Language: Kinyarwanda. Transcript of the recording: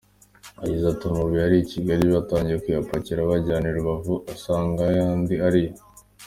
Yagize ati “amabuye ari i Kigali batangiye kuyapakira bayajyana i Rubavu, asangeyo andi ariyo.